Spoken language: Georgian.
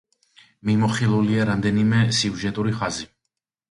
მიმოხილულია რამდენიმე სიუჟეტური ხაზი.